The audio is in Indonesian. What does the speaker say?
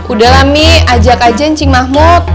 udahlah mi ajak aja cing mahmud